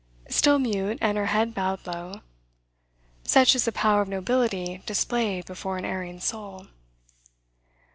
Still mute, and her head bowed low. Such is the power of nobility displayed before an erring soul!